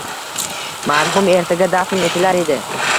Marhum ertaga dafn etilar edi.